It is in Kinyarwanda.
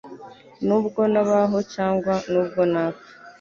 nubwo nabaho cyangwa nubwo napfa."